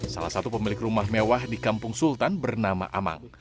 salah satu pemilik rumah mewah di kampung sultan bernama amang